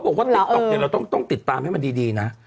มักยาซีทเขาบอกว่าติดตามให้มันดีนะ